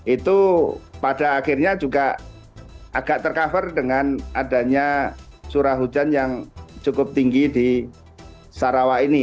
itu pada akhirnya juga agak tercover dengan adanya curah hujan yang cukup tinggi di sarawak ini